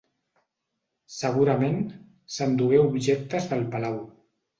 Segurament, s'endugué objectes del Palau.